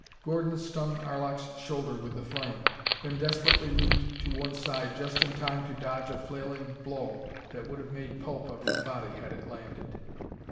Gordon stung Arlok's shoulder with the flame, then desperately leaped to one side just in time to dodge a flailing blow that would have made pulp of his body had it landed.